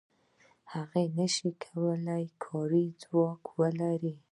نو هغه نشي کولای چې کاري ځواک ولري